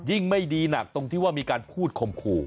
ไม่ดีหนักตรงที่ว่ามีการพูดข่มขู่